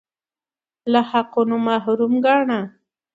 له حقونو محروم ګاڼه